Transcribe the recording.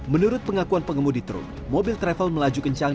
menurut pengakuan pengemudi truk mobil travel melaju kencang